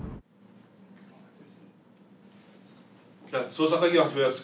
捜査会議を始めます。